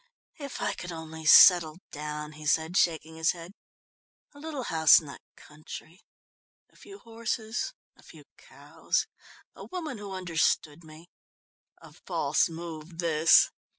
"If I could only settle down!" he said, shaking his head. "A little house in the country, a few horses, a few cows, a woman who understood me...." A false move this.